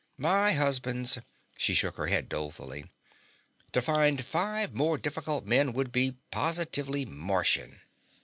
"My husbands." She shook her head dolefully. "To find five more difficult men would be positively Martian."